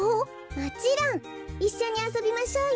もちろん！いっしょにあそびましょうよ。